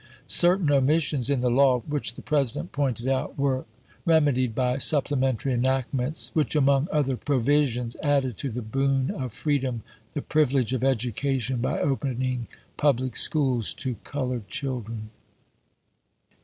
Certain omissions in the ^f^^^^ law, which the President pointed out, were reme died by supplementary enactments, which among other provisions added to the boon of freedom the privilege of education by opening public schools to colored children.